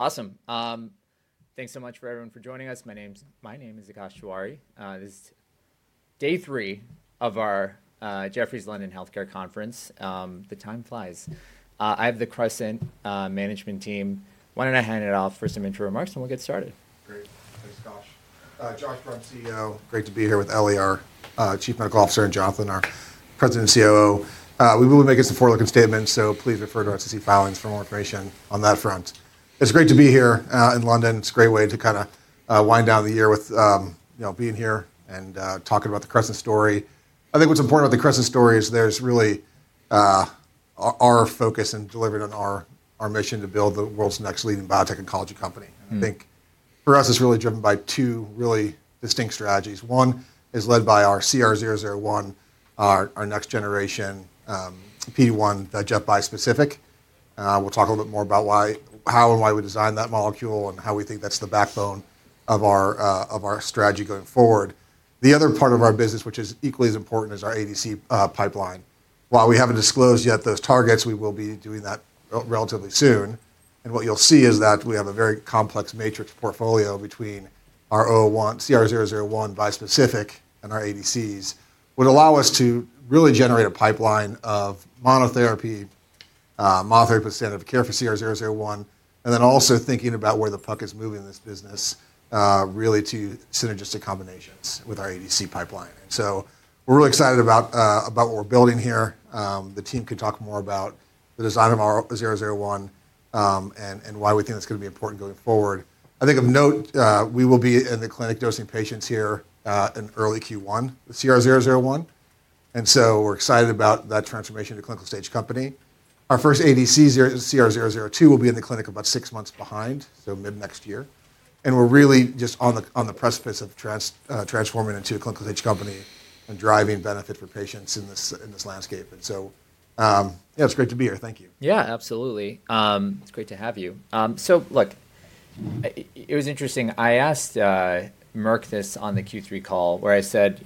Awesome. Thanks so much for everyone for joining us. My name is Akash Tewari. This is day three of our Jefferies London Healthcare Conference. The time flies. I have the Crescent management team. Why don't I hand it off for some intro remarks, and we'll get started. Great. Thanks, Josh. Josh Brumm, CEO. Great to be here with Ellie, our Chief Medical Officer, and Jonathan, our President and COO. We will make some forward-looking statements, so please refer to our SEC filings for more information on that front. It's great to be here in London. It's a great way to kind of wind down the year with being here and talking about the Crescent story. I think what's important about the Crescent story is there's really our focus and delivering on our mission to build the world's next leading biotech and oncology company. I think for us, it's really driven by two really distinct strategies. One is led by our CR001, our next-generation PD-1 VEGF bispecific. We'll talk a little bit more about how and why we designed that molecule and how we think that's the backbone of our strategy going forward. The other part of our business, which is equally as important, is our ADC pipeline. While we haven't disclosed yet those targets, we will be doing that relatively soon. What you'll see is that we have a very complex matrix portfolio between our CR001 bispecific and our ADCs, which would allow us to really generate a pipeline of monotherapy, monotherapy standard of care for CR001, and then also thinking about where the puck is moving in this business, really to synergistic combinations with our ADC pipeline. We are really excited about what we're building here. The team could talk more about the design of our 001 and why we think that's going to be important going forward. I think of note, we will be in the clinic dosing patients here in early Q1 with CR001. We are excited about that transformation to clinical-stage company. Our first ADC, CR002, will be in the clinic about six months behind, so mid next year. We are really just on the precipice of transforming into a clinical-stage company and driving benefit for patients in this landscape. Yeah, it is great to be here. Thank you. Yeah, absolutely. It's great to have you. Look, it was interesting. I asked Merck this on the Q3 call, where I said,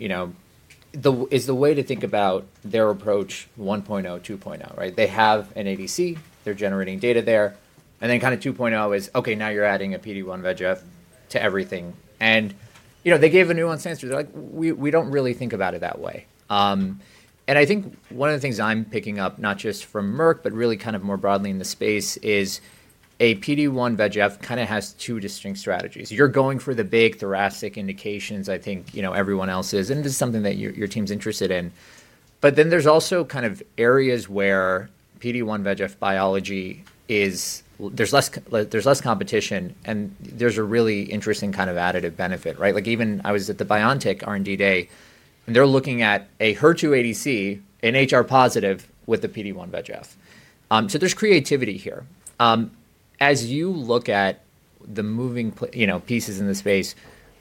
is the way to think about their approach 1.0, 2.0, right? They have an ADC. They're generating data there. Then kind of 2.0 is, OK, now you're adding a PD-1 VEGF to everything. They gave a nuanced answer. They're like, we don't really think about it that way. I think one of the things I'm picking up, not just from Merck, but really kind of more broadly in the space, is a PD-1 VEGF kind of has two distinct strategies. You're going for the big thoracic indications, I think everyone else is. This is something that your team's interested in. But then there's also kind of areas where PD-1 VEGF biology is, there's less competition, and there's a really interesting kind of additive benefit, right? Like even I was at the BioNTech R&D day, and they're looking at a HER2 ADC, an HR+, with a PD-1 VEGF. So there's creativity here. As you look at the moving pieces in the space,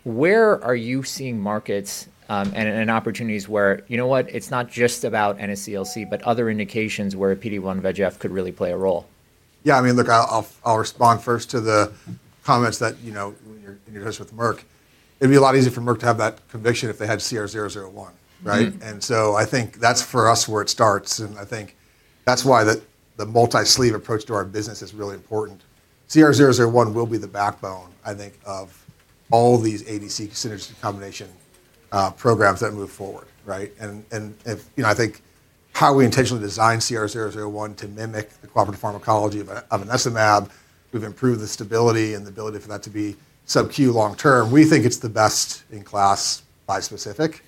where are you seeing markets and opportunities where, you know what, it's not just about NSCLC, but other indications where a PD-1 VEGF could really play a role? Yeah, I mean, look, I'll respond first to the comments that you're going to discuss with Merck. It'd be a lot easier for Merck to have that conviction if they had CR001, right? I think that's for us where it starts. I think that's why the multi-sleeve approach to our business is really important. CR001 will be the backbone, I think, of all these ADC synergistic combination programs that move forward, right? I think how we intentionally design CR001 to mimic the cooperative pharmacology of an sugemalimab, we've improved the stability and the ability for that to be sub-Q long term. We think it's the best in class bispecific.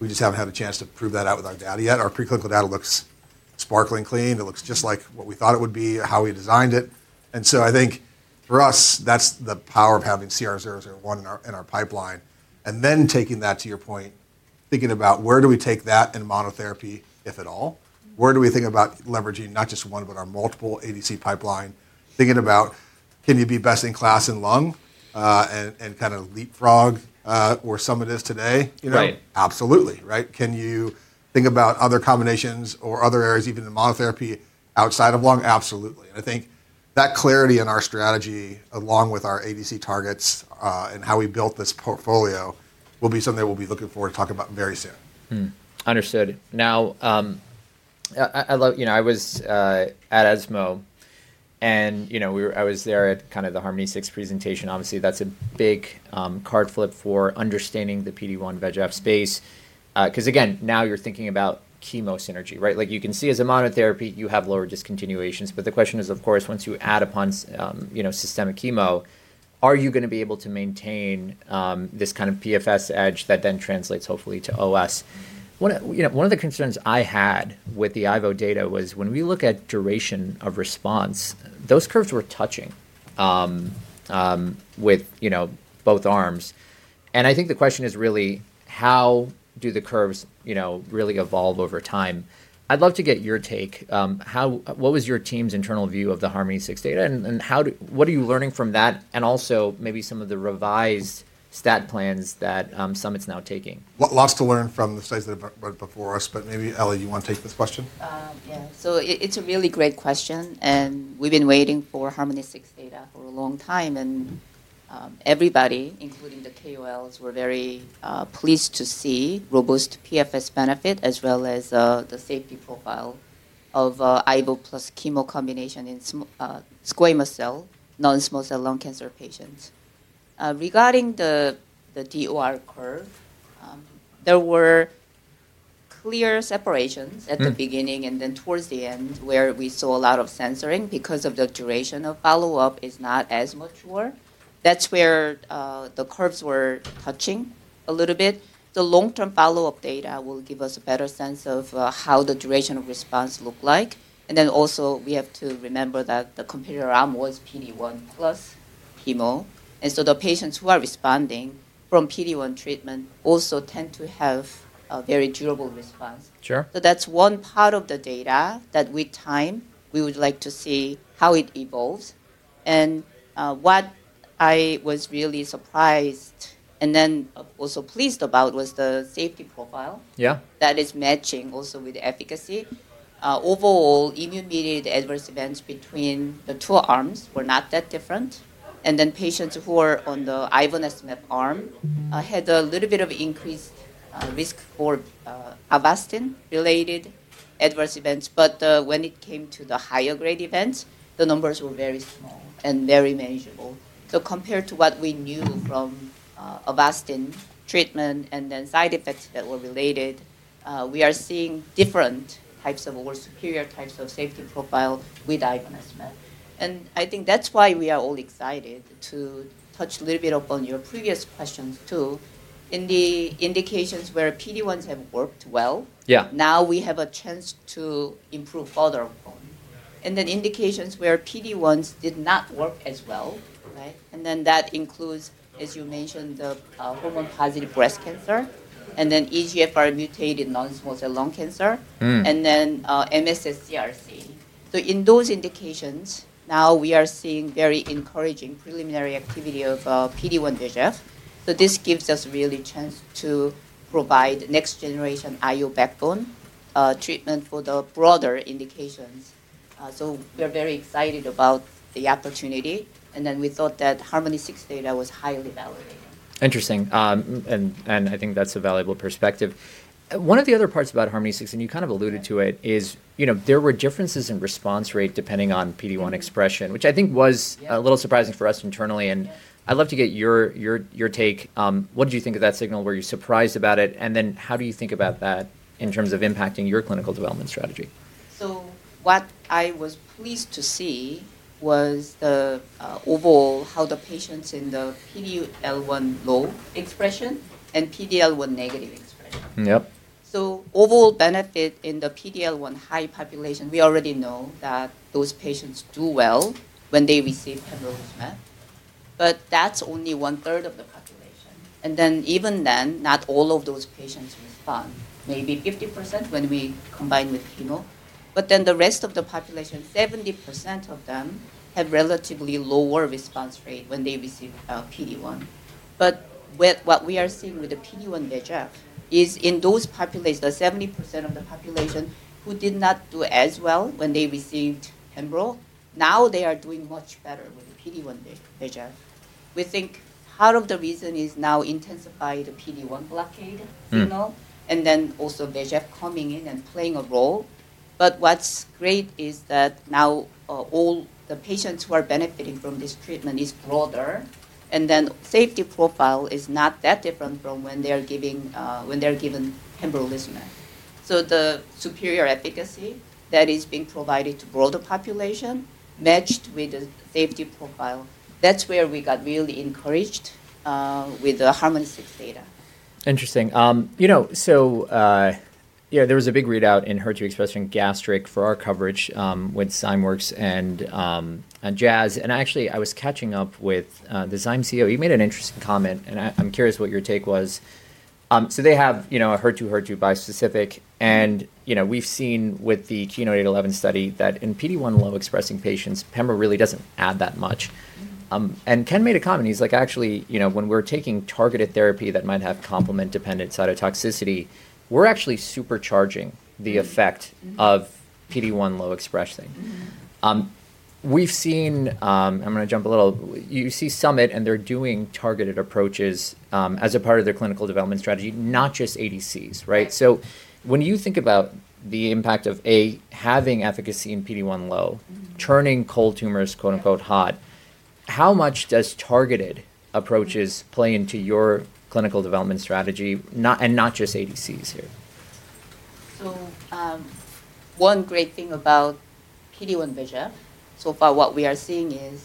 We just haven't had a chance to prove that out with our data yet. Our preclinical data looks sparkling clean. It looks just like what we thought it would be, how we designed it. I think for us, that's the power of having CR001 in our pipeline. Taking that to your point, thinking about where do we take that in monotherapy, if at all? Where do we think about leveraging not just one, but our multiple ADC pipeline? Thinking about, can you be best in class in lung and kind of leapfrog where some of it is today? Absolutely, right? Can you think about other combinations or other areas, even in monotherapy, outside of lung? Absolutely. I think that clarity in our strategy, along with our ADC targets and how we built this portfolio, will be something that we'll be looking forward to talking about very soon. Understood. Now, I was at ESMO, and I was there at kind of the HARMONi-6 presentation. Obviously, that's a big card flip for understanding the PD-1 VEGF space. Because again, now you're thinking about chemo synergy, right? Like you can see as a monotherapy, you have lower discontinuations. The question is, of course, once you add upon systemic chemo, are you going to be able to maintain this kind of PFS edge that then translates, hopefully, to OS? One of the concerns I had with the ivonescimab data was when we look at duration of response, those curves were touching with both arms. I think the question is really, how do the curves really evolve over time? I'd love to get your take. What was your team's internal view of the HARMONi-6 data? What are you learning from that? Maybe some of the revised stat plans that Summit's now taking. Lots to learn from the studies that have been before us. Maybe, Ellie, you want to take this question? Yeah. It is a really great question. We have been waiting for HARMONi-6 data for a long time. Everybody, including the KOLs, was very pleased to see robust PFS benefit, as well as the safety profile of ivonescimab plus chemo combination in squamous cell non-small cell lung cancer patients. Regarding the DOR curve, there were clear separations at the beginning and then towards the end where we saw a lot of censoring because the duration of follow-up is not as mature. That is where the curves were touching a little bit. The long-term follow-up data will give us a better sense of how the duration of response looks. We also have to remember that the comparator arm was PD-1 plus chemo, so the patients who are responding from PD-1 treatment also tend to have a very durable response. Sure. That's one part of the data that with time, we would like to see how it evolves. What I was really surprised and then also pleased about was the safety profile that is matching also with efficacy. Overall, immune-mediated adverse events between the two arms were not that different. Patients who are on the ivonescimab and small molecule anti-PD-1 arm had a little bit of increased risk for Avastin-related adverse events. When it came to the higher-grade events, the numbers were very small and very manageable. Compared to what we knew from Avastin treatment and side effects that were related, we are seeing different types of or superior types of safety profile with ivonescimab and small molecule anti-PD-1. I think that's why we are all excited to touch a little bit upon your previous questions, too. In the indications where PD-1s have worked well, now we have a chance to improve further upon. In indications where PD-1s did not work as well, right? That includes, as you mentioned, the hormone-positive breast cancer, EGFR-mutated non-small cell lung cancer, and MSSCRC. In those indications, now we are seeing very encouraging preliminary activity of PD-1 VEGF. This gives us really a chance to provide next-generation IO backbone treatment for the broader indications. We are very excited about the opportunity. We thought that HARMONi-6 data was highly validated. Interesting. I think that's a valuable perspective. One of the other parts about HARMONi-6, and you kind of alluded to it, is there were differences in response rate depending on PD-1 expression, which I think was a little surprising for us internally. I'd love to get your take. What did you think of that signal? Were you surprised about it? How do you think about that in terms of impacting your clinical development strategy? What I was pleased to see was the overall how the patients in the PD-L1 low expression and PD-L1 negative expression. Yep. So, overall benefit in the PD-L1 high population, we already know that those patients do well when they receive pembrolizumab. That is only one-third of the population. Even then, not all of those patients respond, maybe 50% when we combine with chemo. The rest of the population, 70% of them, have relatively lower response rate when they receive PD-1. What we are seeing with the PD-1 VEGF is in those populations, the 70% of the population who did not do as well when they received pembro, now they are doing much better with the PD-1 VEGF. We think part of the reason is now intensified PD-1 blockade, you know, and then also VEGF coming in and playing a role. What is great is that now all the patients who are benefiting from this treatment is broader. The safety profile is not that different from when they are given pembrolizumab. The superior efficacy that is being provided to a broader population matched with the safety profile, that's where we got really encouraged with the HARMONi-6 data. Interesting. You know, there was a big readout in HER2 expression gastric for our coverage with Zymworks and Jazz. Actually, I was catching up with the Zym CEO. You made an interesting comment. I'm curious what your take was. They have HER2, HER2 bispecific. We've seen with the KEYNOTE-811 study that in PD-1 low expressing patients, pembro really doesn't add that much. Ken made a comment. He's like, actually, when we're taking targeted therapy that might have complement-dependent cytotoxicity, we're actually supercharging the effect of PD-1 low expressing. We've seen, I'm going to jump a little, you see Summit and they're doing targeted approaches as a part of their clinical development strategy, not just ADCs, right? When you think about the impact of, A, having efficacy in PD1 low, turning cold tumors "hot," how much does targeted approaches play into your clinical development strategy and not just ADCs here? So, one great thing about PD-1 VEGF so far, what we are seeing is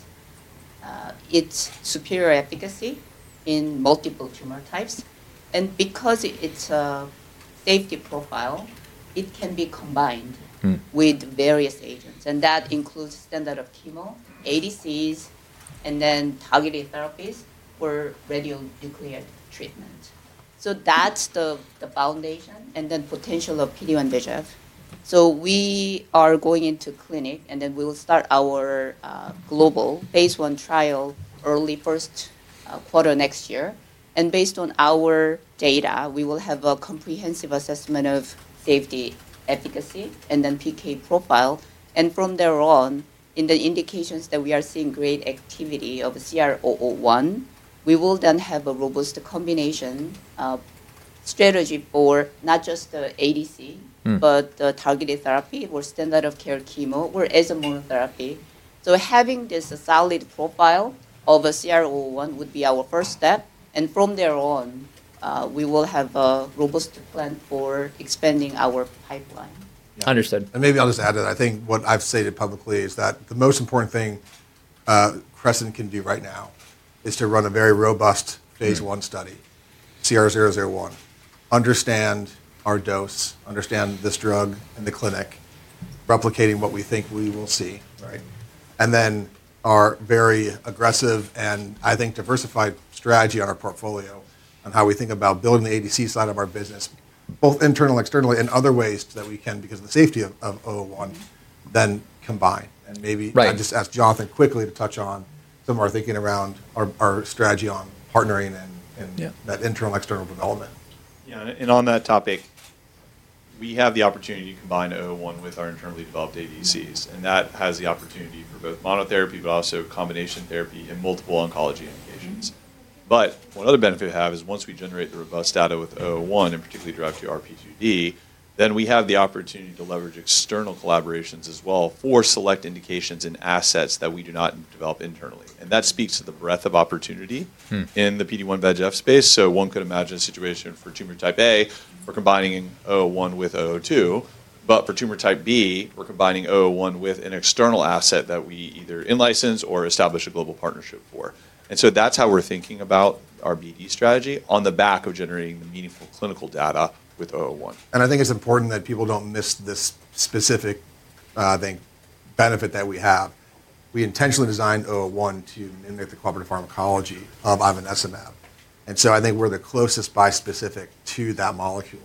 its superior efficacy in multiple tumor types. Because of its safety profile, it can be combined with various agents. That includes standard of chemo, ADCs, and then targeted therapies for radionuclear treatment. That is the foundation and then potential of PD-1 VEGF. We are going into clinic, and then we will start our global phase I trial early first quarter next year. Based on our data, we will have a comprehensive assessment of safety, efficacy, and then PK profile. From there on, in the indications that we are seeing great activity of CR001, we will then have a robust combination strategy for not just the ADC, but the targeted therapy or standard of care chemo or as a monotherapy. So, having this solid profile of CR001 would be our first step. From there on, we will have a robust plan for expanding our pipeline. Understood. Maybe I'll just add that I think what I've stated publicly is that the most important thing Crescent can do right now is to run a very robust phase I study, CR001, understand our dose, understand this drug in the clinic, replicating what we think we will see, right? Our very aggressive and I think diversified strategy on our portfolio on how we think about building the ADC side of our business, both internally and externally, and other ways that we can, because of the safety of 01, then combine. Maybe I'll just ask Jonathan quickly to touch on some of our thinking around our strategy on partnering and that internal external development. Yeah. On that topic, we have the opportunity to combine 01 with our internally developed ADCs. That has the opportunity for both monotherapy, but also combination therapy in multiple oncology indications. One other benefit we have is once we generate the robust data with 01, and particularly [guess-DRAVQ] RP2D, then we have the opportunity to leverage external collaborations as well for select indications and assets that we do not develop internally. That speaks to the breadth of opportunity in the PD-1 VEGF space. One could imagine a situation for tumor type A, we're combining 01 with 02. For tumor type B, we're combining 01 with an external asset that we either in-license or establish a global partnership for. That's how we're thinking about our BD strategy on the back of generating the meaningful clinical data with 01. I think it's important that people don't miss this specific, I think, benefit that we have. We intentionally designed CR001 to mimic the cooperative pharmacology of ivonescimab. I think we're the closest bispecific to that molecule,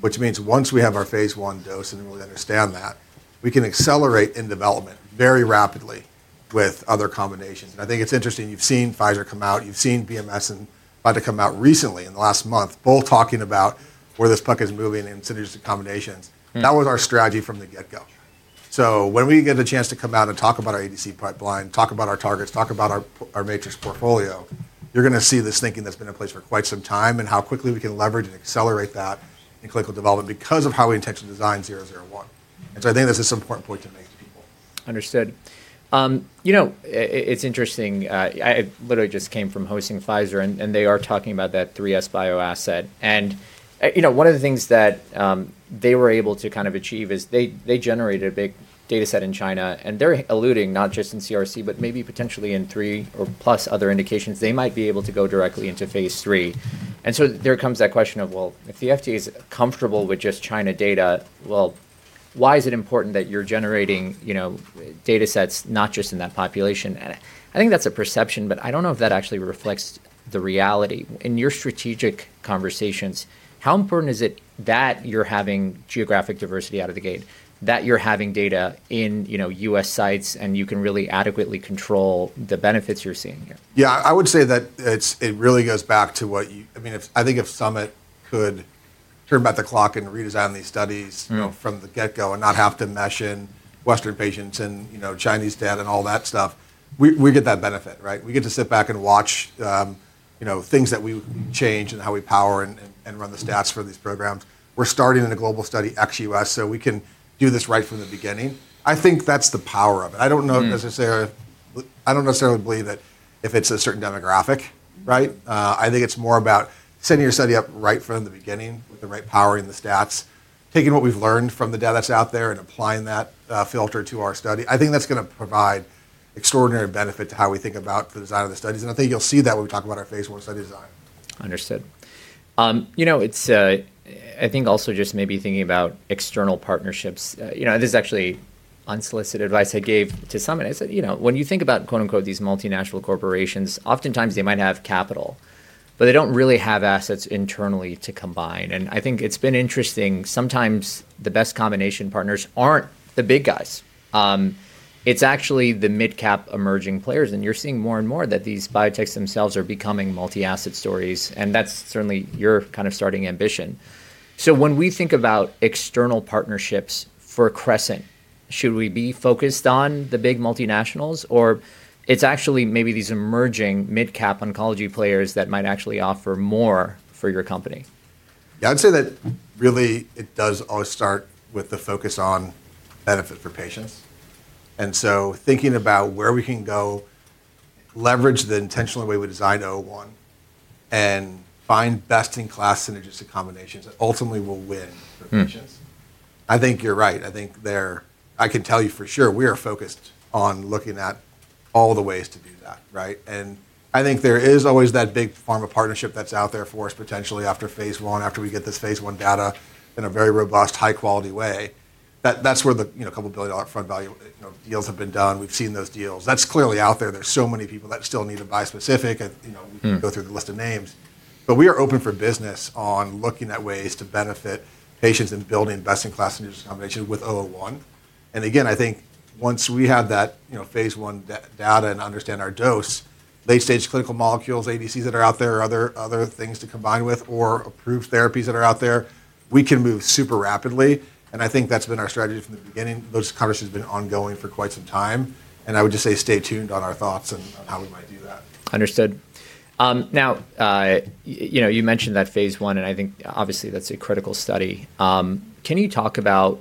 which means once we have our phase I dose and really understand that, we can accelerate in development very rapidly with other combinations. I think it's interesting. You've seen Pfizer come out. You've seen BMS and Pfizer come out recently in the last month, both talking about where this puck is moving and synergistic combinations. That was our strategy from the get-go. When we get a chance to come out and talk about our ADC pipeline, talk about our targets, talk about our matrix portfolio, you're going to see this thinking that's been in place for quite some time and how quickly we can leverage and accelerate that in clinical development because of how we intentionally designed 001. I think this is an important point to make to people. Understood. You know, it's interesting. I literally just came from hosting Pfizer, and they are talking about that 3SBio asset. One of the things that they were able to kind of achieve is they generated a big data set in China. They're alluding not just in CRC, but maybe potentially in three or plus other indications. They might be able to go directly into phase III. There comes that question of, if the FDA is comfortable with just China data, why is it important that you're generating data sets not just in that population? I think that's a perception, but I don't know if that actually reflects the reality. In your strategic conversations, how important is it that you're having geographic diversity out of the gate, that you're having data in U.S. sites and you can really adequately control the benefits you're seeing here? Yeah. I would say that it really goes back to what I mean, I think if Summit could turn back the clock and redesign these studies from the get-go and not have to mesh in Western patients and Chinese data and all that stuff, we get that benefit, right? We get to sit back and watch things that we change and how we power and run the stats for these programs. We're starting in a global study ex-U.S., so we can do this right from the beginning. I think that's the power of it. I don't necessarily believe that if it's a certain demographic, right? I think it's more about setting your study up right from the beginning with the right power in the stats, taking what we've learned from the data that's out there and applying that filter to our study. I think that's going to provide extraordinary benefit to how we think about the design of the studies. I think you'll see that when we talk about our phase I study design. Understood. You know, I think also just maybe thinking about external partnerships. This is actually unsolicited advice I gave to Summit. I said, you know, when you think about "these multinational corporations," oftentimes they might have capital, but they do not really have assets internally to combine. I think it has been interesting. Sometimes the best combination partners are not the big guys. It is actually the mid-cap emerging players. You are seeing more and more that these biotechs themselves are becoming multi-asset stories. That is certainly your kind of starting ambition. When we think about external partnerships for Crescent, should we be focused on the big multinationals or is it actually maybe these emerging mid-cap oncology players that might actually offer more for your company? Yeah. I'd say that really it does always start with the focus on benefit for patients. And so thinking about where we can go, leverage the intentional way we design 01, and find best-in-class synergistic combinations that ultimately will win for patients. I think you're right. I think I can tell you for sure we are focused on looking at all the ways to do that, right? I think there is always that big pharma partnership that's out there for us potentially after phase I, after we get this phase I data in a very robust, high-quality way. And that's where the couple of billion dollar front value deals have been done. We've seen those deals. That's clearly out there. There are so many people that still need a bispecific. We can go through the list of names. We are open for business on looking at ways to benefit patients and building best-in-class synergistic combination with 01. I think once we have that phase I data and understand our dose, late-stage clinical molecules, ADCs that are out there, other things to combine with, or approved therapies that are out there, we can move super rapidly. I think that's been our strategy from the beginning. Those conversations have been ongoing for quite some time. I would just say stay tuned on our thoughts and how we might do that. Understood. Now, you mentioned that phase I, and I think obviously that's a critical study. Can you talk about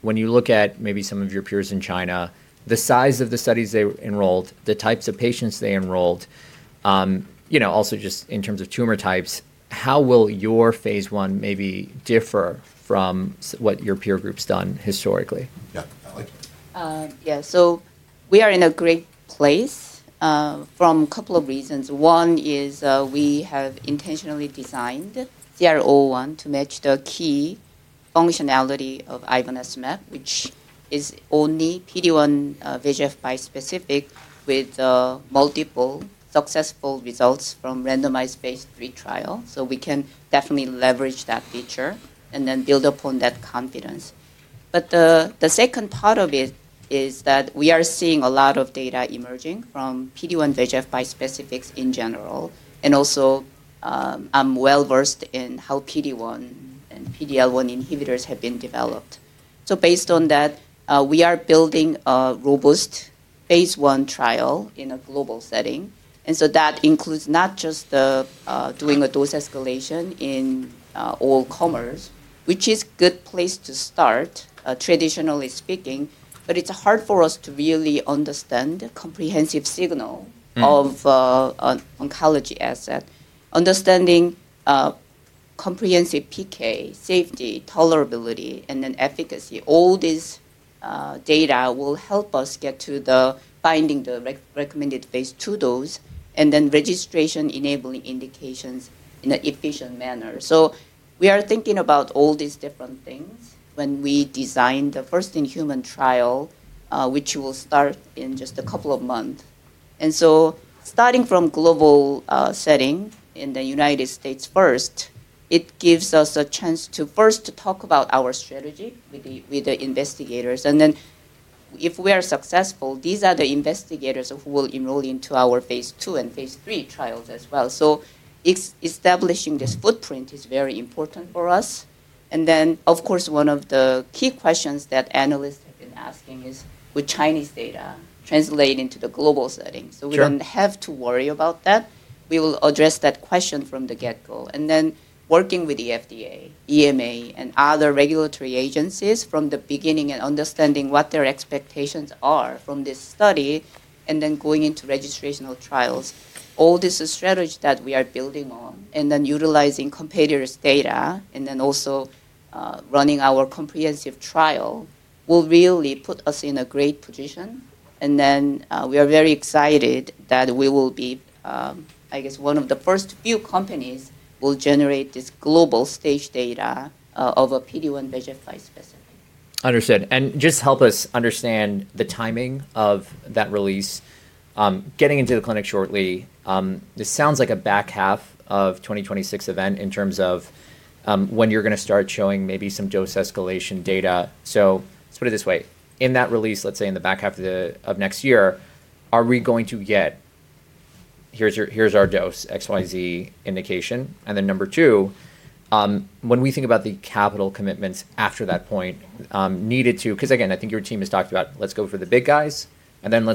when you look at maybe some of your peers in China, the size of the studies they enrolled, the types of patients they enrolled, also just in terms of tumor types, how will your phase I maybe differ from what your peer group's done historically? Yeah. Yeah. We are in a great place for a couple of reasons. One is we have intentionally designed CR001 to match the key functionality of ivonescimab, which is the only PD-1/VEGF bispecific with multiple successful results from randomized phase III trials. We can definitely leverage that feature and then build upon that confidence. But the second part of it is that we are seeing a lot of data emerging from PD-1 VEGF bispecifics in general. Also, I'm well-versed in how PD-1 and PD-L1 inhibitors have been developed. Based on that, we are building a robust phase I trial in a global setting. That includes not just doing a dose escalation in all comers, which is a good place to start, traditionally speaking, but it's hard for us to really understand the comprehensive signal of an oncology asset, understanding comprehensive PK, safety, tolerability, and then efficacy. All this data will help us get to finding the recommended phase II dose and then registration enabling indications in an efficient manner. We are thinking about all these different things when we design the first in-human trial, which will start in just a couple of months. Starting from a global setting in the United States first gives us a chance to first talk about our strategy with the investigators. And then if we are successful, these are the investigators who will enroll into our phase II and phase III trials as well. Establishing this footprint is very important for us. And then one of the key questions that analysts have been asking is, would Chinese data translate into the global setting? We do not have to worry about that. We will address that question from the get-go. And then working with the FDA, EMA, and other regulatory agencies from the beginning and understanding what their expectations are from this study and then going into registrational trials, all this is a strategy that we are building on. Utilizing competitors' data and also running our comprehensive trial will really put us in a great position. We are very excited that we will be, I guess, one of the first few companies who will generate this global stage data of a PD-1 VEGF bispecific. Understood. Just help us understand the timing of that release. Getting into the clinic shortly, this sounds like a back half of 2026 event in terms of when you're going to start showing maybe some dose escalation data. Let's put it this way. In that release, let's say in the back half of next year, are we going to get, here's our dose, XYZ indication? Number two, when we think about the capital commitments after that point needed to, because again, I think your team has talked about, let's go for the big guys. Let's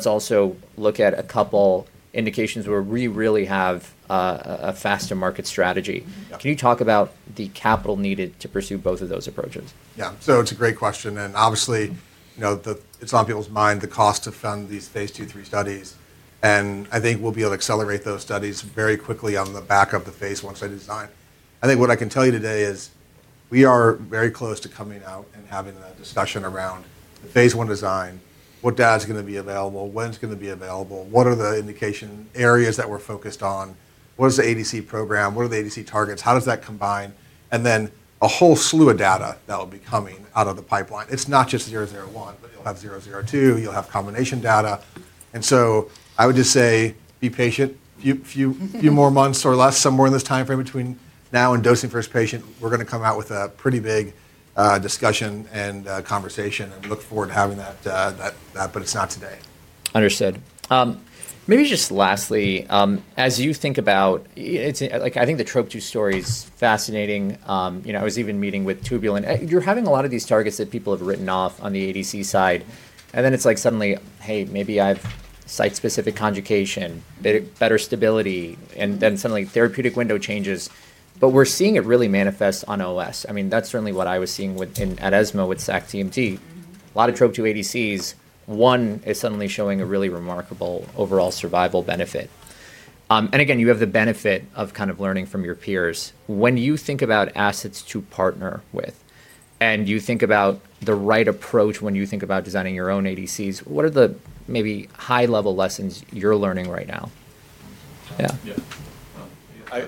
also look at a couple indications where we really have a faster market strategy. Can you talk about the capital needed to pursue both of those approaches? Yeah. It's a great question. Obviously, it's on people's mind, the cost to fund these phase II, III studies. I think we'll be able to accelerate those studies very quickly on the back of the phase I study design. I think what I can tell you today is we are very close to coming out and having a discussion around the phase I design, what data is going to be available, when it's going to be available, what are the indication areas that we're focused on, what is the ADC program, what are the ADC targets, how does that combine, and then a whole slew of data that will be coming out of the pipeline. It's not just 001, but you'll have 002, you'll have combination data. I would just say be patient. A few more months or less, somewhere in this timeframe between now and dosing first patient, we're going to come out with a pretty big discussion and conversation and look forward to having that, but it's not today. Understood. Maybe just lastly, as you think about, I think the trope two story is fascinating. I was even meeting with Tubulin. You're having a lot of these targets that people have written off on the ADC side. Then it's like suddenly, hey, maybe I have site-specific conjugation, better stability, and then suddenly therapeutic window changes. We're seeing it really manifest on OS. I mean, that's certainly what I was seeing at ESMO with sac-TMT. A lot of trope two ADCs. One is suddenly showing a really remarkable overall survival benefit. Again, you have the benefit of kind of learning from your peers. When you think about assets to partner with and you think about the right approach when you think about designing your own ADCs, what are the maybe high-level lessons you're learning right now? Yeah. Yeah.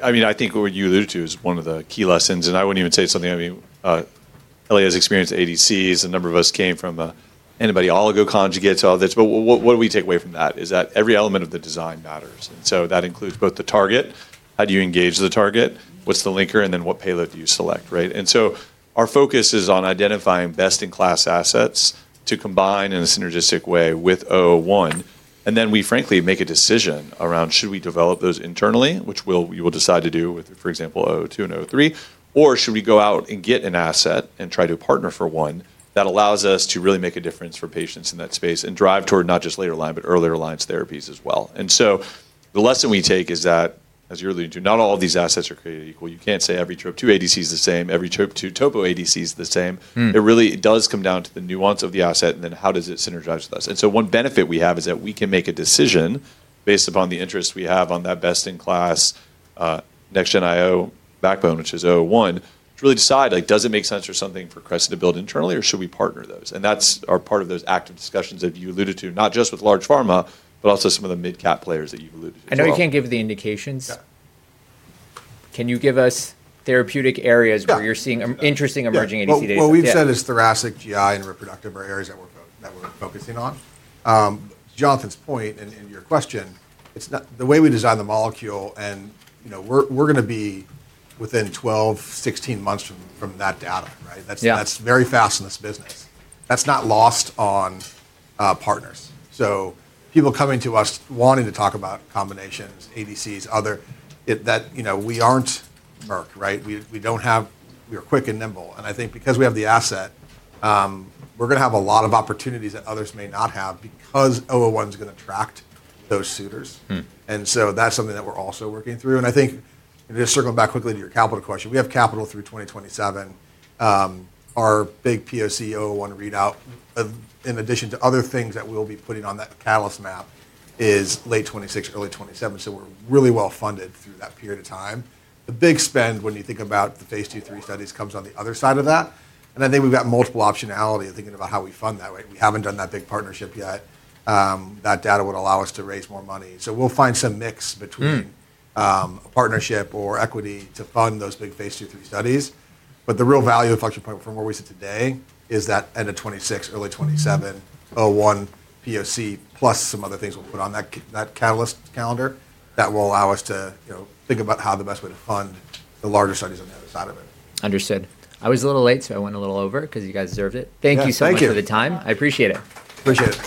I mean, I think what you alluded to is one of the key lessons. I would not even say it's something, I mean, Ellie has experienced ADCs. A number of us came from antibody-oligo conjugates, all this. What we take away from that is that every element of the design matters. So, that includes both the target, how do you engage the target, what's the linker, and then what payload do you select, right? So, our focus is on identifying best-in-class assets to combine in a synergistic way with 01. And then we, frankly, make a decision around should we develop those internally, which we will decide to do with, for example, 02 and 03, or should we go out and get an asset and try to partner for one that allows us to really make a difference for patients in that space and drive toward not just later line, but earlier lines therapies as well. The lesson we take is that, as you're alluding to, not all of these assets are created equal. You can't say every trope two ADC is the same, every trope two topo ADC is the same. It really does come down to the nuance of the asset and then how does it synergize with us. One benefit we have is that we can make a decision based upon the interest we have on that best-in-class next-gen IO backbone, which is 01, to really decide, does it make sense for something for Crescent to build internally, or should we partner those? That is part of those active discussions that you alluded to, not just with large pharma, but also some of the mid-cap players that you have alluded to. I know you can't give the indications. Can you give us therapeutic areas where you're seeing interesting emerging ADC data? What we've said is thoracic, GI, and reproductive are areas that we're focusing on. Jonathan's point and your question, the way we design the molecule, and we're going to be within 12-16 months from that data, right? That's very fast in this business. That's not lost on partners. So, people coming to us wanting to talk about combinations, ADCs, other, that we aren't Merck, right? We don't have, we are quick and nimble. I think because we have the asset, we're going to have a lot of opportunities that others may not have because 01 is going to attract those suitors. That is something that we're also working through. I think, and just circling back quickly to your capital question, we have capital through 2027. Our big POC 01 readout, in addition to other things that we'll be putting on that catalyst map, is late 2026, early 2027. We're really well funded through that period of time. The big spend, when you think about the phase II, III studies, comes on the other side of that. I think we've got multiple optionality of thinking about how we fund that way. We haven't done that big partnership yet. That data would allow us to raise more money. We'll find some mix between a partnership or equity to fund those big phase II, III studies. The real value of the flexure point from where we sit today is that end of 2026, early 2027, 01 POC, plus some other things we'll put on that catalyst calendar that will allow us to think about how the best way to fund the larger studies on the other side of it. Understood. I was a little late, so I went a little over because you guys deserved it. Thank you so much for the time. I appreciate it. Appreciate it.